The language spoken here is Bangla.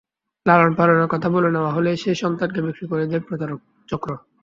লালনপালনের কথা বলে নেওয়া হলেও সেই সন্তানকে বিক্রি করে দেয় প্রতারক চক্র।